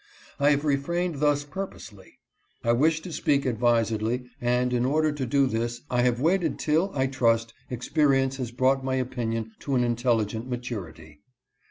I have refrained thus pur posely. I wish to speak advisedly, and in order to do this, I have waited till, I trust, experience has brought my opinion to an intelli gent maturity.